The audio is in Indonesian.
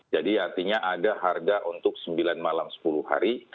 jadi artinya ada harga untuk sembilan malam sepuluh hari